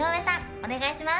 お願いします。